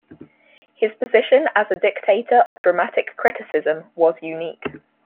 His position as dictator of dramatic criticism was unique.